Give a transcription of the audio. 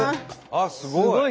あっすごい！